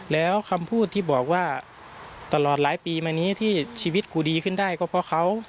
แล้วคำพูดที่บอกว่าตลอดหลายปีมานี้ที่ชีวิตกูดีขึ้นได้ก็เพราะเขา